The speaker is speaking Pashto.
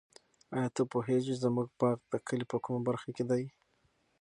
آیا ته پوهېږې چې زموږ باغ د کلي په کومه برخه کې دی؟